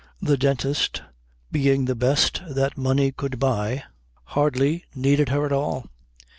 The dentist, being the best that money could buy, hardly needed her at all.